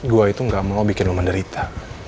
gue itu gak mau bikin lo menderita